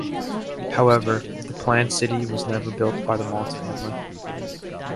However, the planned city was never built by the Mont family.